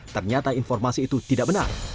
ternyata informasi itu tidak benar